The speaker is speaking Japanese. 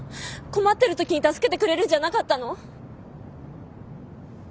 困ってる時に助けてくれるんじゃなかったの？